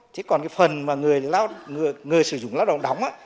chứ còn cái phần mà người sử dụng lao động đóng ấy